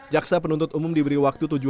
jaksa penuntut umum diberi waktu